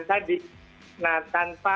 tadi nah tanpa